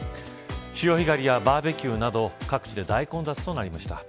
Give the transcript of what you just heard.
潮干狩りやバーベキューなど各地で大混雑となりました。